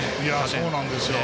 そうなんですよ。